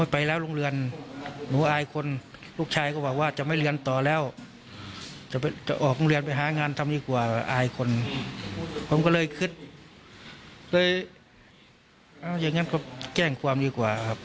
ผมก็เลยคิดเลยอย่างนั้นแกล้งความดีกว่าครับ